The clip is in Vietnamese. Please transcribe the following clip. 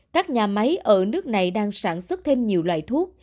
các nhà máy ở nước này đang sản xuất thêm nhiều loại thuốc